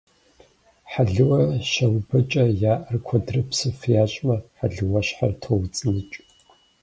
Хьэлыуэр щаубэкӀэ я Ӏэр куэдрэ псыф ящӀмэ, хьэлыуащхьэр тоуцӀы-ныкӀ.